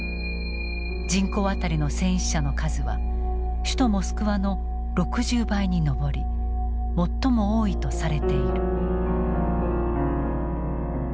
人口当たりの戦死者の数は首都モスクワの６０倍に上り最も多いとされている。